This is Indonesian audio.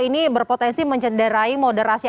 ini berpotensi mencederai moderasi